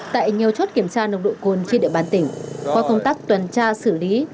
tại nhiều chốt kiểm tra nồng độ cồn trên địa bàn tỉnh qua công tác tuần tra xử lý